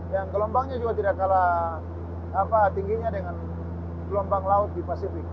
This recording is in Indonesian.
yang gelombangnya juga tidak kalah tingginya dengan gelombang laut di pasifik